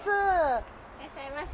いらっしゃいませ。